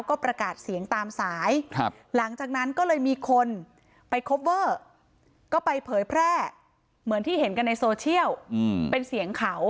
ก็ไปเผยแพร่เหมือนที่เห็นกันในโซเชียลอืมเป็นเสียงขาว